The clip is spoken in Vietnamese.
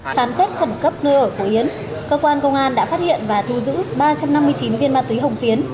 khám xét khẩn cấp nơi ở của yến cơ quan công an đã phát hiện và thu giữ ba trăm năm mươi chín viên ma túy hồng phiến